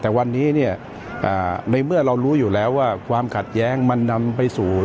แต่วันนี้เนี่ยในเมื่อเรารู้อยู่แล้วว่าความขัดแย้งมันนำไปสู่